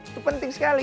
itu penting sekali